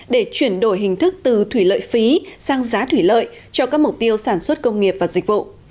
để chuyển đổi hình thức từ thủy lợi phí sang giá thủy lợi cho các mục tiêu sản xuất công nghiệp và dịch vụ